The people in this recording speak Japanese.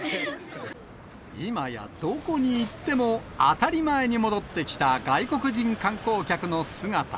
今や、どこに行っても、当たり前に戻ってきた外国人観光客の姿。